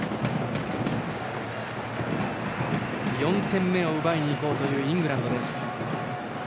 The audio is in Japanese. ４点目を奪いにいこうというイングランドです。